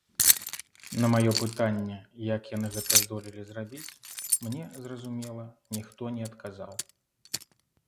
На мае пытанне, як яны гэта здолелі зрабіць, мне, зразумела, ніхто не адказаў.